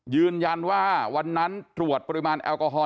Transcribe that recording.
ยืนยันว่าวันนั้นตรวจปริมาณแอลกอฮอล